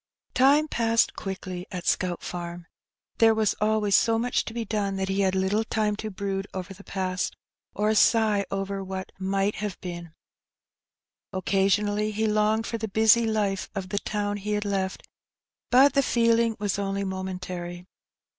230 Her Benny. Time passed quickly at Scout Farm. There was always so much to be done that he had little time to brood oyer the past, or sigh over "what might have been/' Occa sionally he longed for the busy life of the town he had lefk, but the feeling was only momentary.